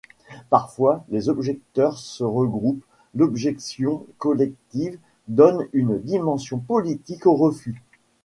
Parfois les objecteurs se regroupent, l'objection collective donne une dimension politique au refus.